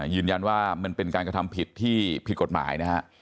ยืนยันว่ามันเป็นการกระทำผิดที่ผิดกฎหมายนะฮะ